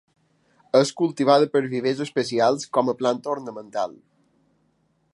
És cultivada per vivers especials com a planta ornamental.